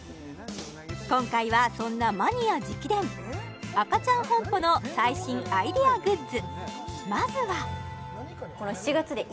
今回はそんなマニア直伝アカチャンホンポの最新アイデアグッズ